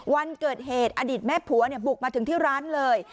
วันเกิดเหตุอดีตแม่ผัวบุกมาถึงที่ร้านเลย